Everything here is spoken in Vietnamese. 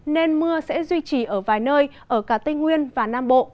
nên mưa sẽ duy trì ở vài nơi ở cả tây nguyên và nam bộ